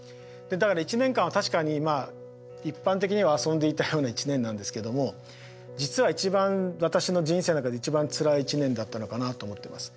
だから１年間は確かにまあ一般的には遊んでいたような１年なんですけども実は一番私の人生の中で一番つらい１年だったのかなと思ってます。